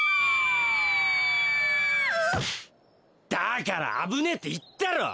だからあぶねえっていったろ！